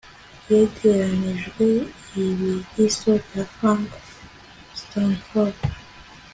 yegeranijwe ibisigo bya frank stanford